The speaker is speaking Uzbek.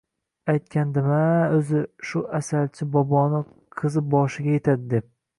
Aytgandim-a, o`zi, shu Asalchi boboni qizi boshiga etadi deb